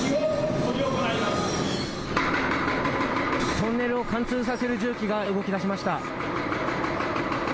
トンネルを貫通させる重機が今、動きだしました。